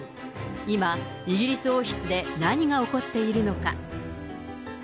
今、イギリス王室で何が起こっているのか。